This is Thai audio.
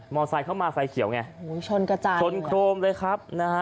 ไซค์เข้ามาไฟเขียวไงโอ้โหชนกระจายชนโครมเลยครับนะฮะ